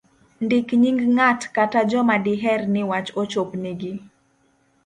ndik nying' ng'at kata joma diher ni wach ochop nigi